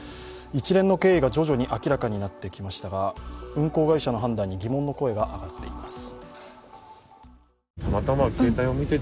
一連の経緯が徐々に明らかになってきましたが運航会社の判断に疑問の声が上がっています。